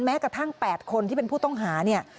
แม้กระทั่ง๘คนที่เป็นผู้ต้องหาเนี่ย